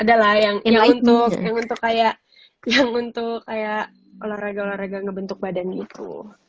ada lah yang untuk kayak yang untuk kayak olahraga olahraga ngebentuk badan gitu